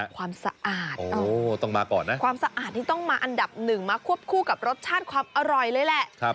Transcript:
ความสะอาดต้องมาอันดับ๑มาควบคู่กับรสชาติความอร่อยเลยแหละ